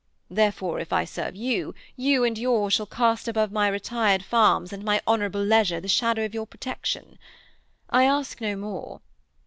Therefore, if I serve you, you and yours shall cast above my retired farms and my honourable leisure the shadow of your protection. I ask no more.'